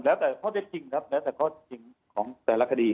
แล้วแต่ข้อเท่าจริงของแต่ละคดี